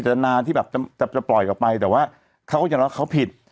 อาจารย์นานที่แบบจะจะปล่อยออกไปแต่ว่าเขาก็จะรักเขาผิด